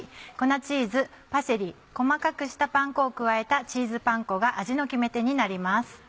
粉チーズパセリ細かくしたパン粉を加えたチーズパン粉が味の決め手になります。